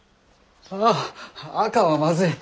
ああ赤はまずい。